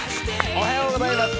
おはようございます。